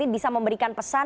bisa memberikan pesan